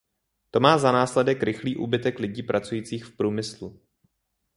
To má za následek rychlý úbytek lidí pracujících v průmyslu.